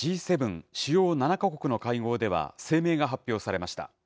主要７か国の会合では声明が発表されました。